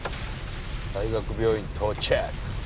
大学病院到着。